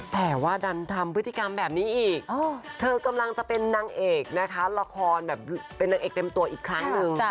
แต่ว่าดันทำพฤติกรรมแบบนี้อีกเธอกำลังจะเป็นนางเอกนะคะละครแบบเป็นนางเอกเต็มตัวอีกครั้งหนึ่ง